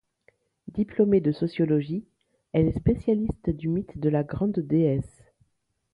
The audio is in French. Diplômée de sociologie, elle est spécialiste du mythe de la Grande Déesse.